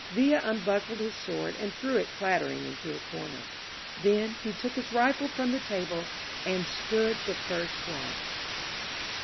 Villa unbuckled his sword and threw it clattering into a corner. ' Then he took his rifle from the table and stood the first watch.